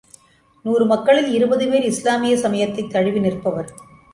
நூறு மக்களில் இருபது பேர் இஸ்லாமிய சமயத்தைத் தழுவி நிற்பவர்.